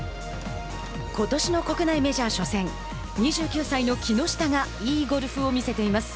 ことしの国内メジャー初戦２９歳の木下がいいゴルフを見せています。